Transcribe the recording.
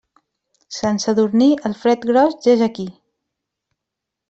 Sant Sadurní, el fred gros ja és aquí.